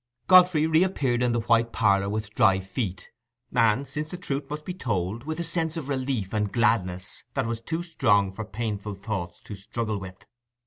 Godfrey reappeared in the White Parlour with dry feet, and, since the truth must be told, with a sense of relief and gladness that was too strong for painful thoughts to struggle with.